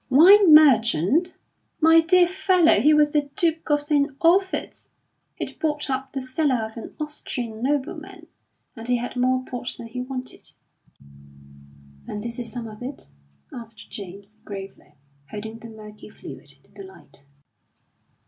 "Wine merchant! My dear fellow, he was the Duke of St. Olphert's. He'd bought up the cellar of an Austrian nobleman, and he had more port than he wanted." "And this is some of it?" asked James, gravely, holding the murky fluid to the light.